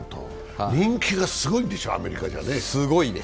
人気がすごいでしょう、アメリカでは。